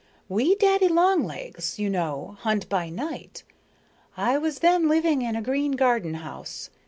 We daddy long legs, you know, hunt by night. I was then living in a green garden house.